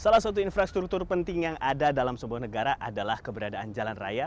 salah satu infrastruktur penting yang ada dalam sebuah negara adalah keberadaan jalan raya